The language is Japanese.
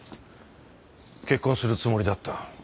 結婚するつもりだった。